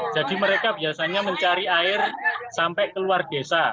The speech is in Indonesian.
jadi mereka biasanya mencari air sampai keluar desa